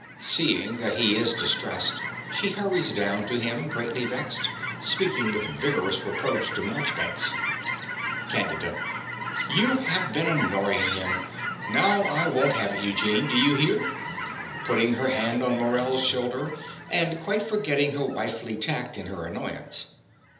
Seeing that he is distressed, she hurries down to him, greatly vexed, speaking with vigorous reproach to Marchbanks.) CANDIDA. You have been annoying him. Now I won't have it, Eugene: do you hear? (Putting her hand on Morell's shoulder, and quite forgetting her wifely tact in her annoyance.)